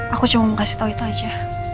aku cuma mau kasih tahu itu aja